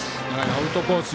アウトコース